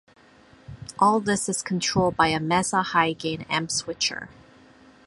All this is controlled by a Mesa high gain amp switcher.